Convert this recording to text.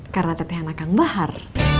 karena teteh anak kang bahar